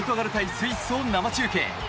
スイスを生中継。